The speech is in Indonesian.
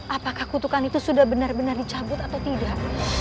apakah kutukan itu sudah benar benar dicabut atau tidak